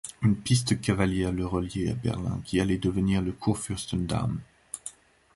Une piste cavalière le reliait à Berlin, qui allait devenir le Kurfürstendamm.